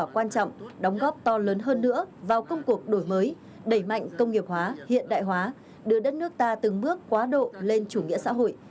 quan trọng đóng góp to lớn hơn nữa vào công cuộc đổi mới đẩy mạnh công nghiệp hóa hiện đại hóa đưa đất nước ta từng bước quá độ lên chủ nghĩa xã hội